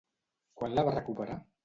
Quan la va recuperar?